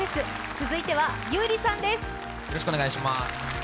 続いては優里さんです。